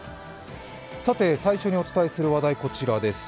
さて、最初にお伝えする話題、こちらです。